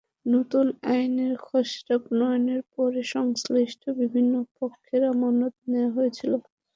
নতুন আইনের খসড়া প্রণয়নের পরে সংশ্লিষ্ট বিভিন্ন পক্ষের মতামত নেওয়া হয়েছিল।